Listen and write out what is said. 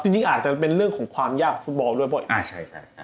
จริงอาจจะเป็นเรื่องของความยากกับภูตบอลเหมือนกับอีก